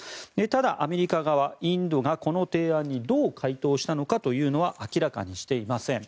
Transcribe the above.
ただ、アメリカ側インドがこの提案にどう回答したのかというのは明らかにしていません。